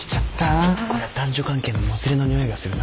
こりゃ男女関係のもつれのにおいがするなぷんぷんと。